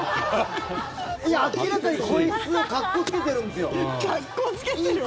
いや、明らかにこいつかっこつけてるんですよ。